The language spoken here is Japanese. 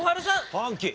ファンキー。